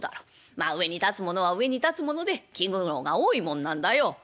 まあ上に立つ者は上に立つ者で気苦労が多いもんなんだよ」。